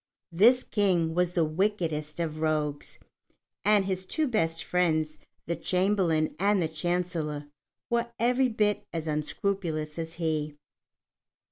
This King was the wickedest of rogues, and his two best friends, the Chamberlain and the Chancellor, were every bit as unscrupulous as he.